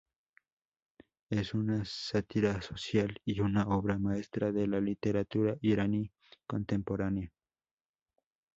Es una sátira social y una obra maestra de la literatura iraní contemporánea.